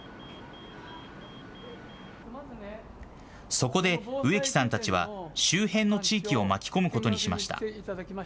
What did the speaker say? そこで植木さんたちは周辺の地域を巻き込むことにしました。